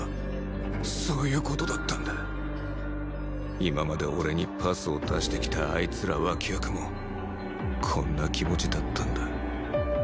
今まで俺にパスを出してきたあいつら脇役もこんな気持ちだったんだ